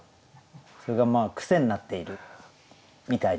それがまあ癖になっているみたいな。